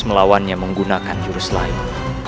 melawannya menggunakan jurus lain